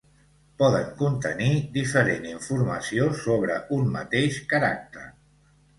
Poden contenir diferent informació sobre un mateix caràcter.